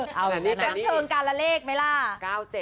กระเทิงกันแล้วเลขไหมล่ะ